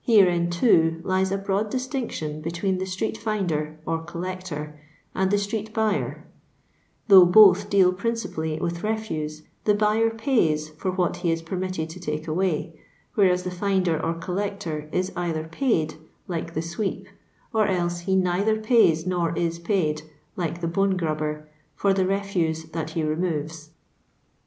Herein, too, lies a broad distinctiod between the atreet finder, or collector, and the street buyer: though both deal principally with refuse, the buyer pays for what he is permitted to take away; whereas the finder or collector is either paid (like the sweep), or else he neither pays nor is paid (like the bone grubber), for the refuse that he removes.